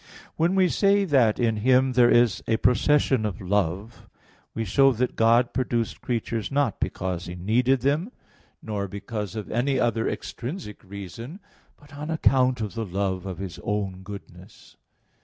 When we say that in Him there is a procession of love, we show that God produced creatures not because He needed them, nor because of any other extrinsic reason, but on account of the love of His own goodness.